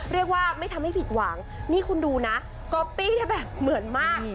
เรียกว่าไม่ทำให้ผิดหวังนี่คุณดูนะก๊อปปี้ได้แบบเหมือนมาก